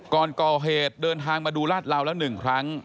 ก่อนก่อเหตุเดินทางมาดูลาดเหลาแล้ว๑ครั้ง